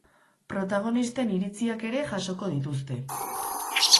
Protagonisten iriziak ere jasoko dituzte.